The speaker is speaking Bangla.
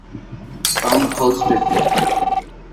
পাম্প হাউসটা কী?